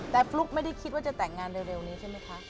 แต่ฟลุ๊กไม่ได้คิดว่าจะแต่งงานเร็วนี้ใช่ไหมคะ